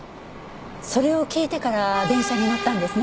それを聞いてから電車に乗ったんですね。